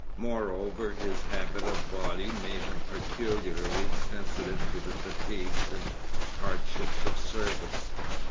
Moreover, his habit of body made him peculiarly sensitive to the fatigues and hardships of service.